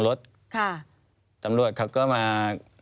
แล้วเขาสร้างเองว่าห้ามเข้าใกล้ลูก